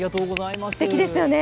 すてきですよね。